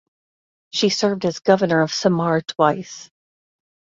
She served as governor of Samar twice.